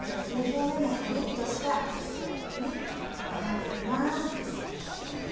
表面もカリッとした焼き上がりになっています。